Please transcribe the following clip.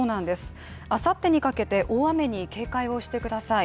あさってにかけて大雨に警戒してください。